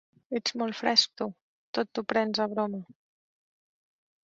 Ets molt fresc, tu: tot t'ho prens a broma!